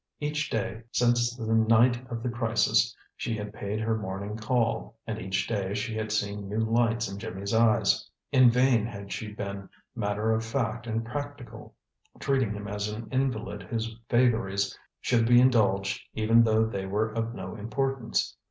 Each day since the night of the crisis she had paid her morning call, and each day she had seen new lights in Jimmy's eyes. In vain had she been matter of fact and practical, treating him as an invalid whose vagaries should be indulged even though they were of no importance.